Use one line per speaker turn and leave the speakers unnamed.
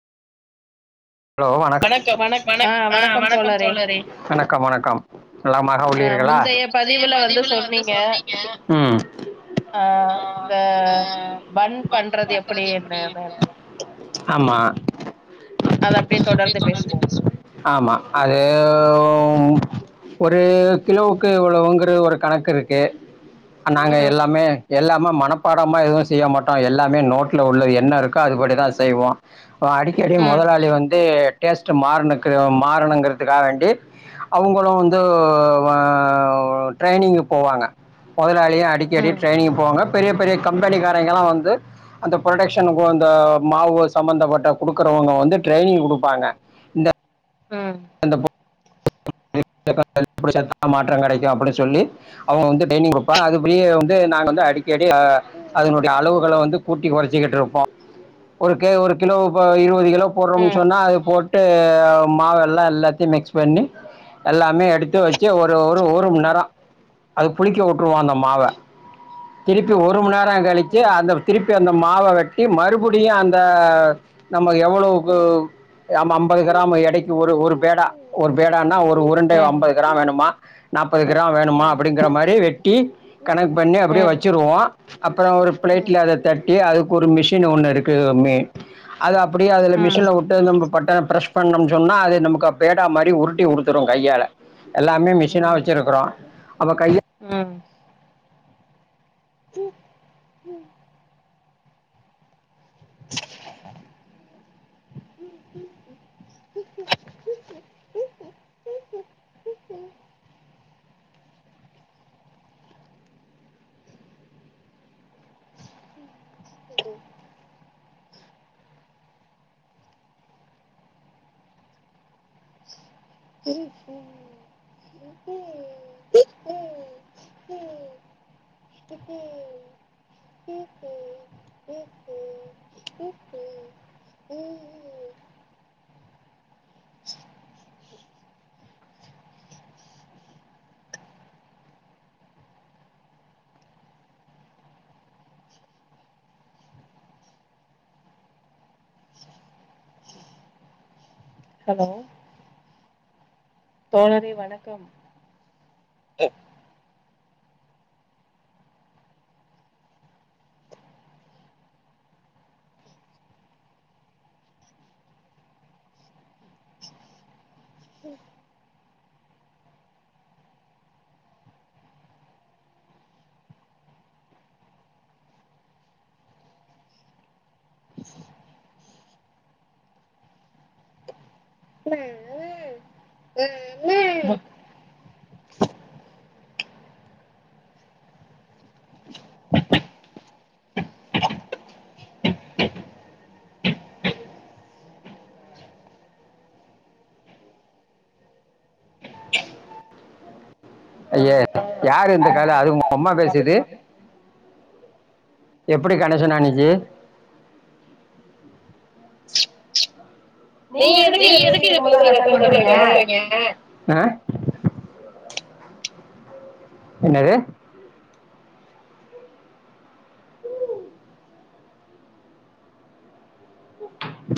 hello வணக்க
வணக் ஆ
வணக்கம்
தோழரே
வணக்கம் நலமாக
அ
உள்ளீர்களா
முந்தைய பதிவுல வந்து சொன்னீங்க
ம்
ஆ இந்த பண் பண்றது எப்டி என்னானு
ஆமா
அத அப்டியே தொடர்ந்து பேசுவோ
ஆமா அது ஒரு கிலோவுக்கு இவ்வளவுங்கிற ஒரு கணக்கு இருக்கு நாங்க
ம்
எல்லாமே எல்லாமே மனப்பாடமா எதுவு செய்ய மாட்டோ எல்லாமே நோட்ல உள்ளது என்ன இருக்கோ அதுபடி தா செய்வோ அடிக்கடி
ம்
மொதலாளி வந்து டேஸ்டு மாறணுக்கு மாறணுங்குறதுக்காக வேண்டி அவுங்களு வந்து வ ட்ரைனிங்கு போவாங்க மொதலாளியு அடிக்கடி
ம்
ட்ரெய்னிங் போவாங்க பெரிய பெரிய கம்பெனிக்காரங்கல்லா வந்து அந்த ப்ரொடக்ஷனுக்கு அந்த மாவு சம்பந்தப்பட்ட குடுக்குறவங்க வந்து ட்ரைனிங் குடுப்பாங்க
ம்
அந்தப் [inaudible] மாற்ற கெடைக்கு அப்டின் சொல்லி அவுங்க வந்து ட்ரெய்னிங் குடுப் பாக அதுகுள்ளயே வந்து நாங்க வந்து
ம்
அடிக்கடி அ அதனுடைய அளவுகள வந்து கூட்டி கொறச்சிக்கிட்டு இருப்போ ஒரு கே ஒரு கிலோ இப்ப இருவது கிலோ போடுறோம்னு
ம்
சொன்னா அது போட்டு மாவெல்லா எல்லாத்தையு மிக்ஸ் பண்ணி எல்லாமே எடுத்து வச்சு ஒரு ஒரு ஒரு மண்
ம்
நேர அத புளிக்க உட்டுருவோ அந்த மாவ திருப்பி ஒரு மண்நேர கரே கழிச்சி
ம்
அந்த திருப்பி அந்த மாவ வெச் சி மறுபுடியு அந்த நம்ம எவ்வளோக்கு அம் அம் அம்பது கிராம் எடைக்கு ஒரு ஒரு பேடா ஒரு பேடான்னா ஒரு உருண்டை
ம்
ஐம்பது கிரா வேணுமா நாப்பது கிரா வேணுமா
ம்
அப்டிங்கிற மாரி வெட்டி கணக்கு பண்ணி அப்டியே
ம்
வச்சிருவோ அப்பறோ ஒரு
ம்
பிளேட்ல அத தட்டி அதுக்கு ஒரு மிஷின் ஒண்ணு இருக்கு மே அது அப் பிடியே அதுல
ம்
மிஷின்ல உட்டு பட்ட ப்ரெஸ் பண்ணோ சொன்னா அது நமக்கு பேடா மாரி உருட்டி குடு த்துரு கையால எல்லாமே மிஷினா
ம்
வச்சிருக்குறோ அப்ப கையல
ம் ஹலோ தோழரே வணக்கம்
ஐய்யே
ஆ
யாரு இந்த காலு அது ஒங்க ம்மா பேசுது எப்டி கணசனா இன்னக்கி நீங்க
இத பேசிட்டு
எதுக்கு
இருக்கும்போது அத அட்டன் பண்றீங்க
[inaudible] என்னது